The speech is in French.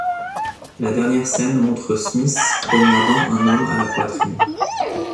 La dernière scène montre Smith poignardant un homme à la poitrine.